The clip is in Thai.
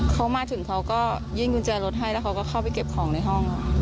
เขามาถึงเขาก็ยื่นกุญแจรถให้แล้วเขาก็เข้าไปเก็บของในห้อง